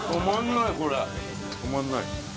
止まらない。